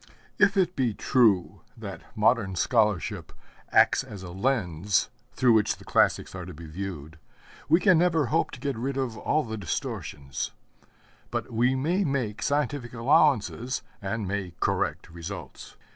If it be true that modern scholarship acts as a lens through which the classics are to be viewed, we can never hope to get rid of all the distortions; but we may make scientific allowances, and may correct results.